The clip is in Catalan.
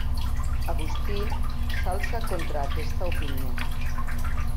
Agustí s'alça contra aquesta opinió.